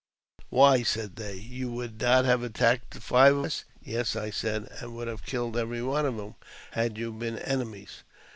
" Why," said they, "you would not have attacked five of us? "Yes," I said, "and would have killed every one of you,J had you been enemies."